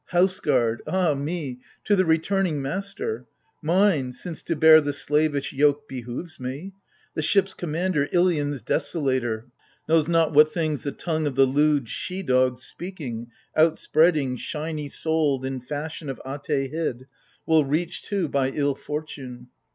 House guard (ah, me !) to the returning master — Mine, since to bear the slavish yoke behoves me ! The ships' commander, Ilion's desolator, Knows not what things the tongue of the lewd she dog Speaking, outspreading, shiny souled, in fashion Of Ate hid, will reach to, by ill fortune